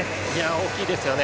大きいですよね。